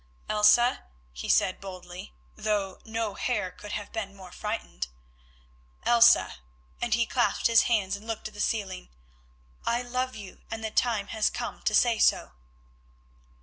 "Elsa," he said boldly, though no hare could have been more frightened, "Elsa," and he clasped his hands and looked at the ceiling, "I love you and the time has come to say so."